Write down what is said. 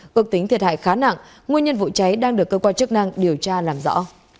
cực tính thiệt hại khá nặng nguyên nhân vụ cháy đang được cơ quan chức năng điều tra làm rõ